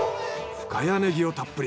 深谷ネギをたっぷり。